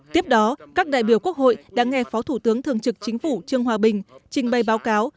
tiếp đó các đại biểu quốc hội đã nghe phó thủ tướng thường trực chính phủ trương hòa bình trình bày báo cáo